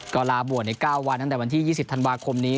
ก็ลาบวชใน๙วันตั้งแต่วันที่๒๐ธันวาคมนี้